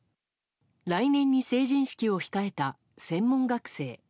来年に成人式を控えた専門学生。